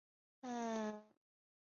虢州弘农县人。